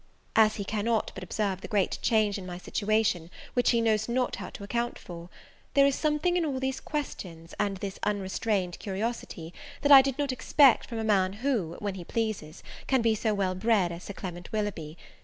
As he cannot but observe the great change in my situation, which he knows not how to account for, there is something in all these questions, and this unrestrained curiosity, that I did not expect from a man who, when he pleases, can be so well bred as Sir Clement Willoughby.